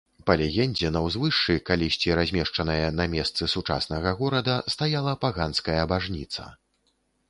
Па легендзе, на ўзвышшы, калісьці размешчанае на месцы сучаснага горада, стаяла паганская бажніца.